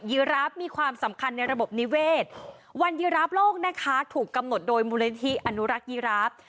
ีราฟมีความสำคัญในระบบนิเวศวันยีราฟโลกนะคะถูกกำหนดโดยมูลนิธิอนุรักษ์ยีราฟ